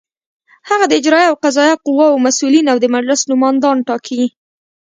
هغه د اجرائیه او قضائیه قواوو مسؤلین او د مجلس نوماندان ټاکي.